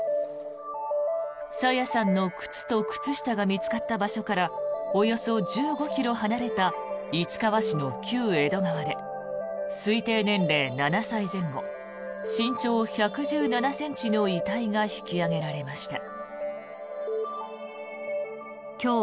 朝芽さんの靴と靴下が見つかった場所からおよそ１５ｋｍ離れた市川市の旧江戸川で推定年齢７歳前後身長１１７ｃｍの遺体が引き揚げられました。